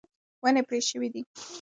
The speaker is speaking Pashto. ونې پرې شوې دي.